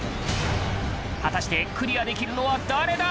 果たしてクリアできるのは誰だ？